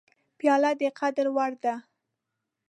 پیاله د قدر وړ ده.